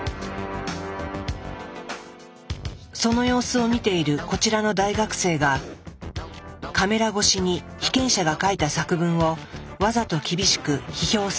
その様子を見ているこちらの大学生がカメラ越しに被験者が書いた作文をわざと厳しく批評するのだ。